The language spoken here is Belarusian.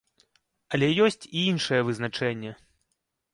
Але ёсць і іншае вызначэнне.